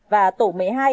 và tổ một mươi hai